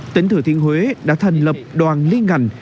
tỉnh thừa thiên huế đã thành lập đoàn liên ngành